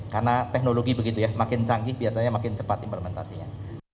karena teknologi begitu ya makin canggih biasanya makin cepat implementasinya